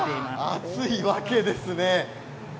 熱いわけですね。